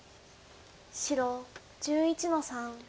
白１１の三ツギ。